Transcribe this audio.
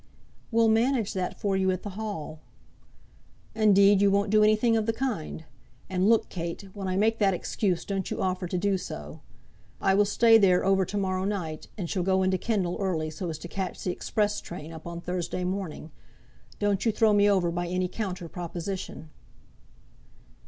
"We'll manage that for you at the Hall." "Indeed you won't do anything of the kind. And look, Kate, when I make that excuse don't you offer to do so. I will stay there over to morrow night, and shall go into Kendal early, so as to catch the express train up on Thursday morning. Don't you throw me over by any counter proposition."